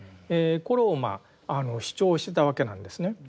これを主張してたわけなんですね。